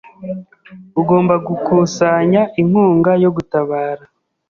Ugomba gukusanya inkunga yo gutabara.